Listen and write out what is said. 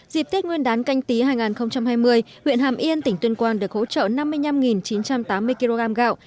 dịp tết nguyên đán canh tí hai nghìn hai mươi huyện hàm yên tỉnh tuyên quang được hỗ trợ năm mươi năm chín trăm tám mươi kg gạo